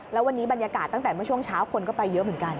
แล้ววันนี้บรรยากาศตั้งแต่เมื่อช่วงเช้าคนก็ไปเยอะเหมือนกัน